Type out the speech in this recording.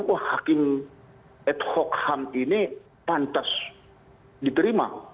wah hakim ad hoc ham ini pantas diterima